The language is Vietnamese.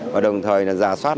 và đồng thời là giả soát